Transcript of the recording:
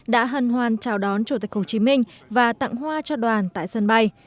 đã hần hoàn chào đón chủ tịch hồ chí minh và tặng hoa cho đoàn tại sân bay